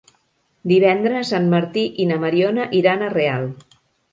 Divendres en Martí i na Mariona iran a Real.